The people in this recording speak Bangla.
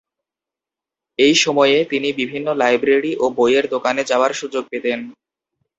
এই সময়ে তিনি বিভিন্ন লাইব্রেরি ও বইয়ের দোকানে যাওয়ার সুযোগ পেতেন।